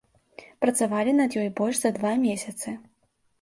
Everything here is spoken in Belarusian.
Працавалі над ёй больш за два месяцы.